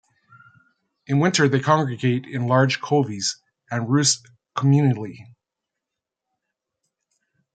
In winter they congregate in large coveys and roost communally.